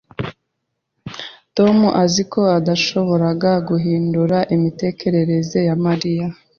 Tom azi ko adashobora guhindura imitekerereze ya Mariya.